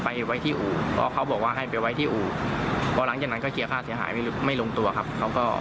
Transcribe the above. น่าเห็นใจมากจริงนะคะ